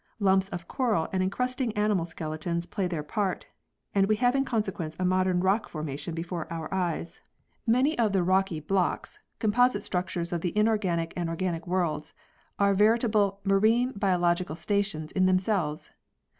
Lumps of coral and encrusting animal skeletons play their part, and we have in consequence a modern rock formation before our eyes. Many of the rocky blocks composite structures 48 PEARLS [CH. of the inorganic and organic worlds are veritable " marine biological stations " in themselves.